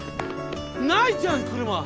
ないじゃん車！